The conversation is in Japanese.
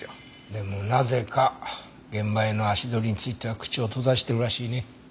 でもなぜか現場への足取りについては口を閉ざしてるらしいね。